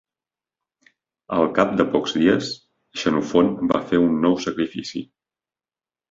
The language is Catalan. Al cap de pocs dies, Xenofont va fer un nou sacrifici.